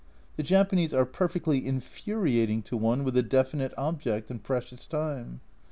The Japanese are perfectly infuriating to one with a definite object and precious time.